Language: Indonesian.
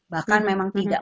bahkan memang tidak